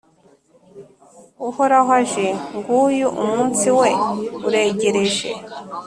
Uhoraho aje, nguyu umunsi we uregereje!